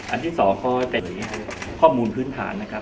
ที่สองก็เป็นข้อมูลพื้นฐานนะครับ